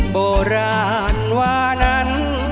โบราณวานั้น